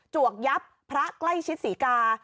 วกยับพระใกล้ชิดศรีกา